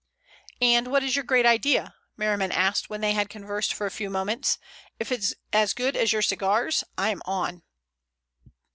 "And what is your great idea?" Merriman asked when they had conversed for a few moments. "If it's as good as your cigars, I'm on."